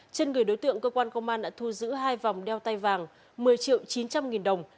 trên người đối tượng cơ quan công an đã thu giữ hai vòng đeo tay vàng một mươi triệu chín trăm linh nghìn đồng